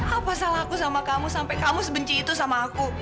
apa salah aku sama kamu sampai kamu sebenci itu sama aku